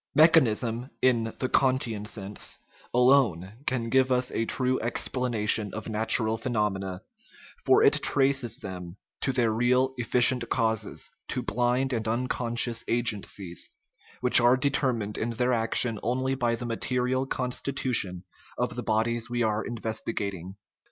Mechanicism (in the Kantian sense) alone can give us a true explanation of natural phenomena, for it traces them to their real efficient causes, to blind and unconscious agencies, which are determined in their action only by the material constitution of the bodies we are investigating.